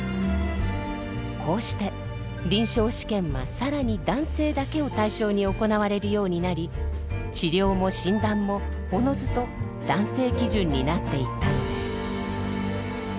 こうして臨床試験は更に男性だけを対象に行われるようになり治療も診断もおのずと男性基準になっていったのです。